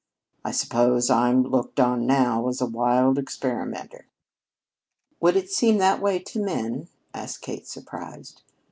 I suppose I'm looked on now as a wild experimenter." "Would it seem that way to men?" asked Kate, surprised.